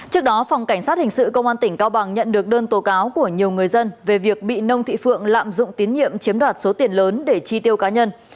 trước đó phòng cảnh sát hình sự công an tỉnh cao bằng nhận được đơn tố cáo của nhiều người dân về việc bị nông thị phượng lạm dụng tín nhiệm chiếm đoạt số tiền lớn để chi tiêu cá nhân